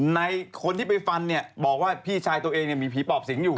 ในคนที่ไปฟันเนี่ยบอกว่าพี่ชายตัวเองเนี่ยมีผีปอบสิงอยู่